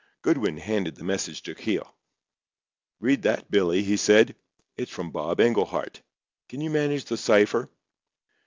Goodwin handed the message to Keogh. "Read that, Billy," he said. "It's from Bob Englehart. Can you manage the cipher?"